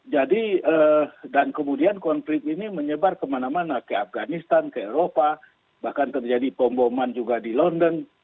jadi dan kemudian konflik ini menyebar kemana mana ke afghanistan ke eropa bahkan terjadi pemboman juga di london